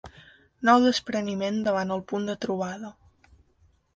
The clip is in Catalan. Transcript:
Nou despreniment davant el Punt de Trobada.